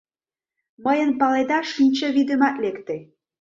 Мыйын, паледа, шинчавӱдемат лекте.